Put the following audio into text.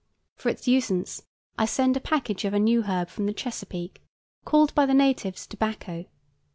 For its usance I send a package of a new herb from the Chesapeake, called by the natives tobacco.